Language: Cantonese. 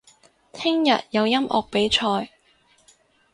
聽日有音樂比賽